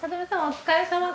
お疲れさま。